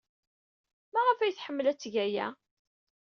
Maɣef ay tḥemmel ad teg aya?